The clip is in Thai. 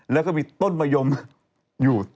แล้วก็มีต้นมะยมอยู่